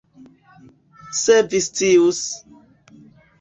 Se vi scius!